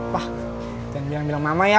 pa jangan bilang mama ya